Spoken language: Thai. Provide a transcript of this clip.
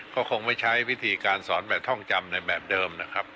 ก็คงไม่ใช้วิธีการสอนแบบท่องจำในแบบเดิมนะครับ